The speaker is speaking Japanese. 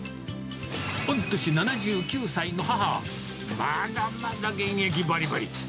御年７９歳の母は、まだまだ現役ばりばり。